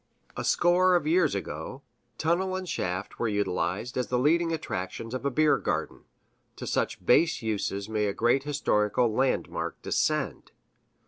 A score of years ago, tunnel and shaft were utilized as the leading attractions of a beer garden to such base uses may a great historical landmark descend!